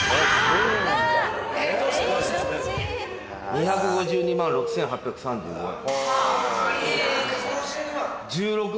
２５２万６，８３５円。